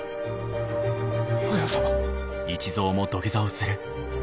綾様。